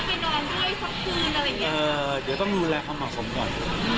เออเดี๋ยวต้องดูแลความเหมาะผมก่อน